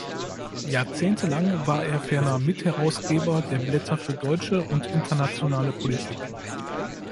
Jahrzehntelang war er ferner Mitherausgeber der Blätter für deutsche und internationale Politik.